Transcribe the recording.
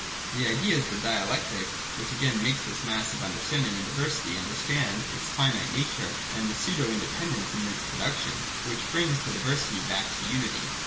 The Idea is the dialectic which again makes this mass of understanding and diversity under stand its finite nature and the pseudo independence in its productions, and which brings the diversity back to unity.